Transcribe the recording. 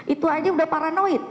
itu aja udah paranoid